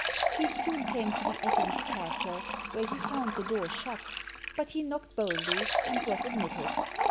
He soon came to the Ettin's castle, where he found the door shut, but he knocked boldly, and was admitted.